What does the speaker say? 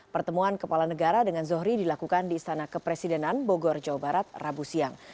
pertemuan kepala negara dengan zohri dilakukan di istana kepresidenan bogor jawa barat rabu siang